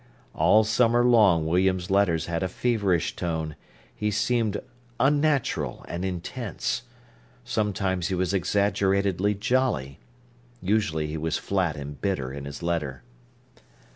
All summer long William's letters had a feverish tone; he seemed unnatural and intense. Sometimes he was exaggeratedly jolly, usually he was flat and bitter in his letter.